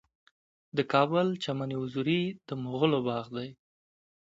د کابل چمن حضوري د مغلو باغ دی